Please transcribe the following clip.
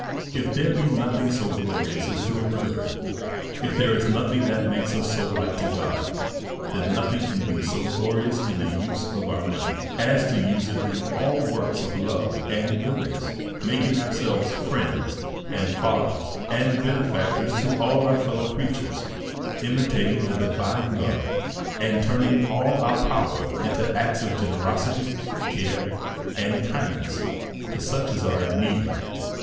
If there be nothing so glorious as doing good, if there is nothing that makes us so like to God, then nothing can be so glorious in the use of our money as to use it all in works of love and "oodness, makin" ourselves friends, fathers, benefactors, to all our fei low creatures, imitating the divine love, and turning all our power into acts of generosity, care^ and kind ness, to such as are in need of it.